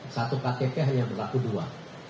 satu paketnya hanya berlaku dua